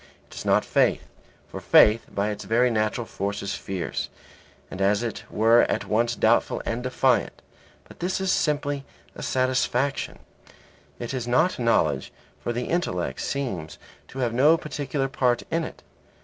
It is not faith, for faith by its very nature is fierce, and as it were at once doubtful and defiant; but this is simply a satisfaction. It is not knowledge, for the intellect seems to have no particular part in it.